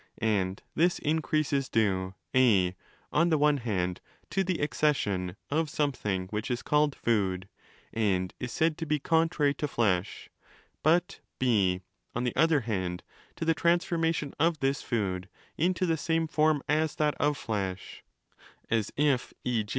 And this increase 35 is due (4) on the one hand to the accession of something, which is called 'food' and is said to be 'contrary' to flesh, 322° but (4) on the other hand to the transformation of this food into the same form as that of flesh—as if, e.